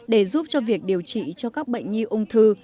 để giúp cho việc điều trị cho các bệnh nhi ung thư